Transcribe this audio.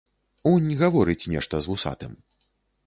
Унь гаворыць нешта з вусатым.